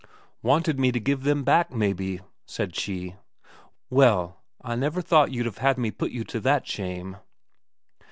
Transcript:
"Wanted me to give them back, maybe," said she. "Well, I never thought you'd have had me put you to that shame."